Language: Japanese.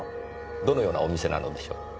どのようなお店なのでしょう？